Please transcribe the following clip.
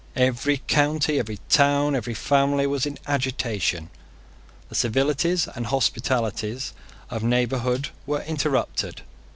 Every county, every town, every family, was in agitation. The civilities and hospitalities of neighbourhood were interrupted.